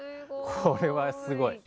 これはすごい。